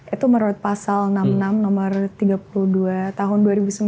itu menurut pasal enam puluh enam nomor tiga puluh dua tahun dua ribu sembilan